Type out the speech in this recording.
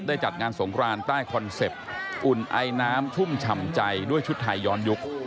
จัดงานสงครานใต้คอนเซ็ปต์อุ่นไอน้ำชุ่มฉ่ำใจด้วยชุดไทยย้อนยุค